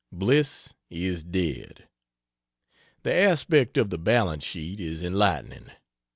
Bliss is dead. The aspect of the balance sheet is enlightening.